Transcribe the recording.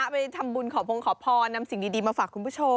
ไปทำบุญขอพงขอพรนำสิ่งดีมาฝากคุณผู้ชม